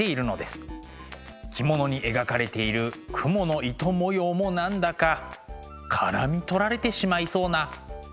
着物に描かれている蜘蛛の糸模様も何だか絡み取られてしまいそうな。